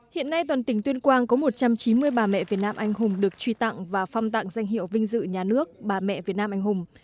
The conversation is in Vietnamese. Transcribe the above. hiện nay toàn tỉnh tuyên quang có một trăm chín mươi bà mẹ việt nam anh hùng được truy tặng và phong tặng danh hiệu vinh dự nhà nước bà mẹ việt nam anh hùng